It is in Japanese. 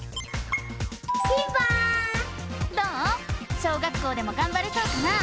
小学校でもがんばれそうかな？